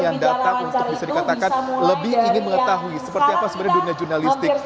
yang datang untuk bisa dikatakan lebih ingin mengetahui seperti apa sebenarnya dunia jurnalistik